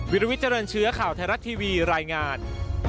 วิลวิทเจริญเชื้อข่าวไทยรัฐทีวีรายงาน